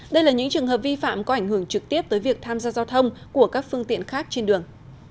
đây là những trường hợp vi phạm có ảnh hưởng trực tiếp tới việc tham gia giao thông của các phương tiện khác trên đường